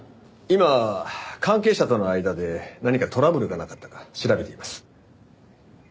今関係者との間で何かトラブルがなかったか調べています。